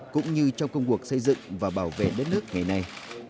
cũng như trong công cuộc xây dựng và bảo vệ đất nước ngày nay